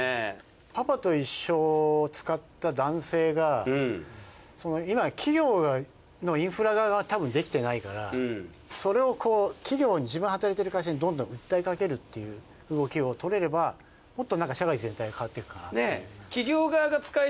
パパと一緒を使った男性が今企業のインフラ側がたぶんできてないからそれを企業に自分が働いてる会社にどんどん訴えかけるっていう動きを取れればもっと社会全体が変わっていくかなっていう。